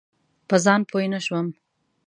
په ځان پوی نه شوم.